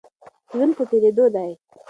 ژوند په تېرېدو دی.